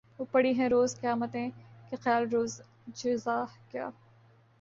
وہ پڑی ہیں روز قیامتیں کہ خیال روز جزا گیا